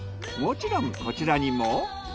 もちろんこちらにも。